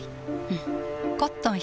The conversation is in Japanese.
うん。